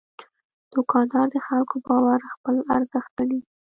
دوکاندار د خلکو باور خپل ارزښت ګڼي.